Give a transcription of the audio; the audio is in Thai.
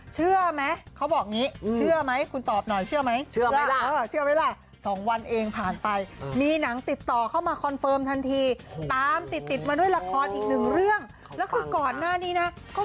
สุดท้ายแล้วได้งานซะอย่างนั้นคุณผู้ชมค่ะ